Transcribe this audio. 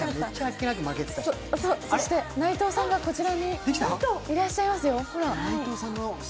内藤さんがこちらにいらっしゃいますよ。